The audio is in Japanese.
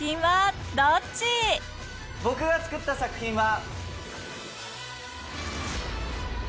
僕が作った作品は。